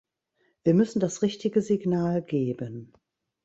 Wir müssen das richtige Signal geben.